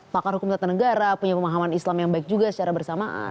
pakar hukum tata negara punya pemahaman islam yang baik juga secara bersamaan